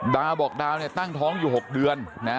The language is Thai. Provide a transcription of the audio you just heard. ดาวบอกดาวเนี่ยตั้งท้องอยู่๖เดือน